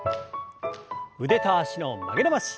腕と脚の曲げ伸ばし。